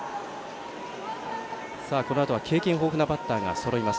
このあとは経験豊富なバッターがそろいます。